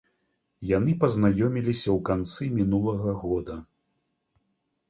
Яны пазнаёміліся ў канцы мінулага года.